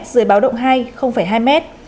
dưới báo động hai hai m